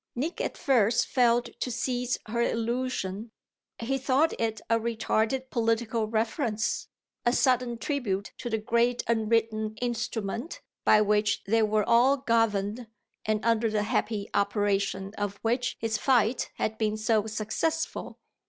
Nick at first failed to seize her allusion he thought it a retarded political reference, a sudden tribute to the great unwritten instrument by which they were all governed and under the happy operation of which his fight had been so successful.